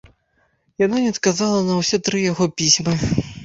Яна не адказала на ўсе тры яго пісьмы.